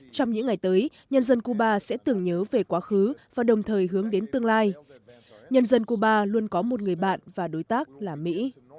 trong những ngày tới nhân dân cuba sẽ tưởng nhớ về quá khứ và đồng thời hướng đến tương lai nhân dân cuba luôn có một người bạn và đối tác là mỹ